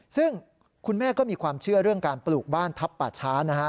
ซึ่งคุณแม่ก็มีความเชื่อเรื่องการปลูกบ้านทัพป่าช้านะฮะ